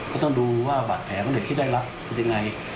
ก็ต้องดูว่าบาดแผลเพราะเด็กก็ได้รับดูยังไม่